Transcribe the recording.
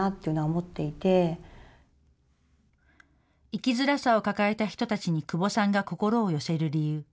生きづらさを抱えた人たちに窪さんが心を寄せる理由。